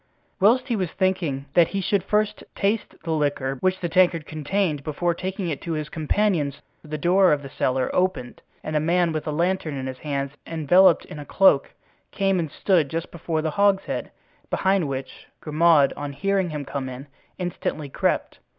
Whilst he was thinking that he should first taste the liquor which the tankard contained before taking it to his companions, the door of the cellar opened and a man with a lantern in his hands and enveloped in a cloak, came and stood just before the hogshead, behind which Grimaud, on hearing him come in, instantly crept.